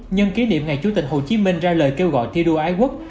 nhân kỷ niệm ngày chủ tịch hồ chí minh ra lời kêu gọi thi đua ái quốc